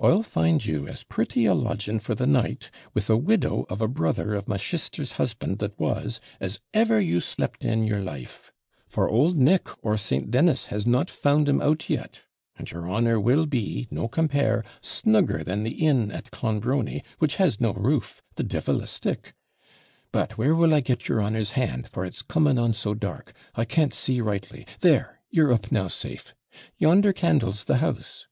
I'll find you as pretty a lodging for the night, with a widow of a brother of my shister's husband that was, as ever you slept in your life; for old Nick or St. Dennis has not found 'em out yet; and your honour will be, no compare, snugger than the inn at Clonbrony, which has no roof, the devil a stick. But where will I get your honour's hand; for it's coming on so dark, I can't see rightly. There, you're up now safe. Yonder candle's the house.'